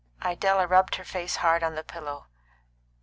Idella rubbed her face hard on the pillow.